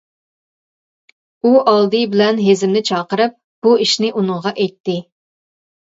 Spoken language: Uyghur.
ئۇ ئالدى بىلەن ھېزىمنى چاقىرىپ بۇ ئىشنى ئۇنىڭغا ئېيتتى.